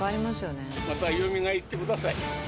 またよみがえってください。